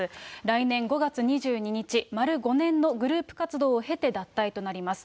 来年５月２２日、丸５年のグループ活動を経て、脱退となります。